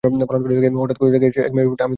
হঠাৎ কোথা খেকে এক মেয়ে এসে বলে, আমি তোমার মেয়ে।